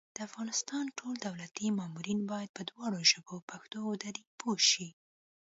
د افغانستان ټول دولتي مامورین بايد په دواړو ژبو پښتو او دري پوه شي